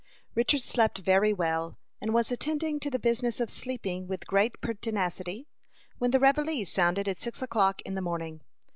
Richard slept very well, and was attending to the business of sleeping with great pertinacity, when the reveille sounded at six o'clock in the morning.